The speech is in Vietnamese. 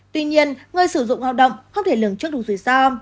tuy nhiên người sử dụng lao động không thể lường trước đủ rủi ro